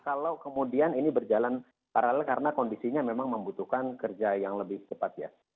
kalau kemudian ini berjalan paralel karena kondisinya memang membutuhkan kerja yang lebih cepat ya